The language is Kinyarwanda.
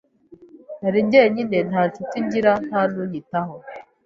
Nari jyenyine, nta ncuti ngira nta n’unyitayeho.